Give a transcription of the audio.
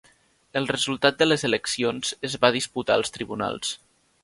El resultat de les eleccions es va disputar als tribunals.